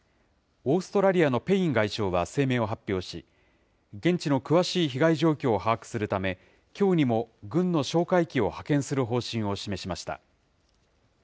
オーストラリアのペイン外相は声明を発表し、現地の詳しい被害状況を把握するため、きょうにも軍の哨戒機を派遣する方針を示しました。